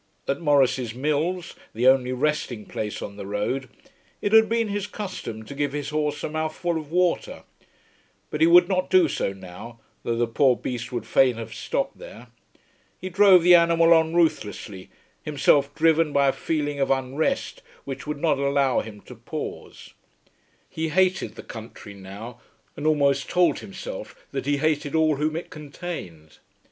At Maurice's mills, the only resting place on the road, it had been his custom to give his horse a mouthful of water; but he would not do so now though the poor beast would fain have stopped there. He drove the animal on ruthlessly, himself driven by a feeling of unrest which would not allow him to pause. He hated the country now, and almost told himself that he hated all whom it contained.